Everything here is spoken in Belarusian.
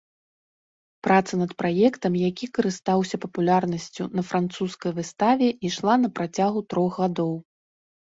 Праца над праектам, які карыстаўся папулярнасцю на французскай выставе, ішла на працягу трох гадоў.